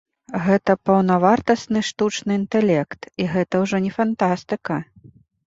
Гэта паўнавартасны штучны інтэлект, і гэта ўжо не фантастыка.